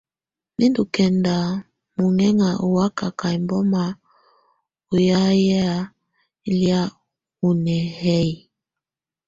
Mɛ̀ ndù kɛnda muŋɛŋa ù wakaka ɛmbɔma ɔ́ ya yɛ lɛ̀á ù nɛhɛyɛ.